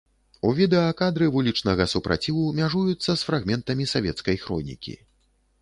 У відэа кадры вулічнага супраціву мяжуюцца з фрагментамі савецкай хронікі.